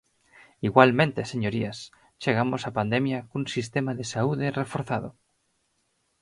Igualmente, señorías, chegamos á pandemia cun sistema de saúde reforzado.